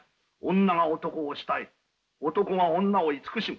女が男を慕い男が女を慈しむ。